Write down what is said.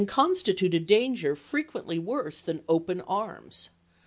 constitute a danger frequently worse than open arms.